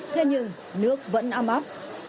thế nhưng nước vẫn ấm ấp